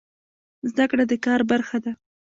زده کړه د کار برخه ده